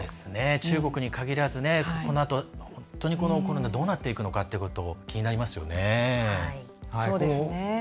中国に限らずこのあと本当にコロナがどうなっていくのかっていうこと気になりますよね。